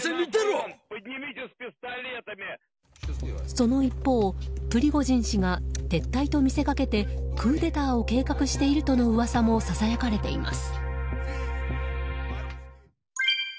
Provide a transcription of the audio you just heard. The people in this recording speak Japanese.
その一方、プリゴジン氏が撤退と見せかけてクーデターを計画しているとの噂もささやかれています。